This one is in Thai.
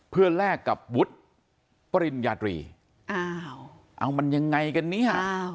เพื่อแลกกับวุฒิปริญญาตรีอ้าวเอามันยังไงกันเนี่ย